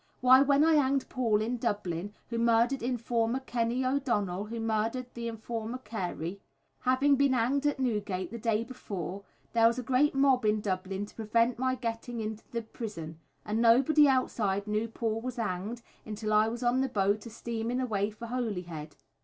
Why when I 'anged Poole in Dublin, who murdered informer Kenny O'Donnell, who murdered th' other informer, Carey, having been 'anged at Newgate th' day before there was a great mob in Dublin to prevent my getting into th' prison, and nobody outside knew Poole was 'anged until I was on th' boat a steaming away for Holyhead."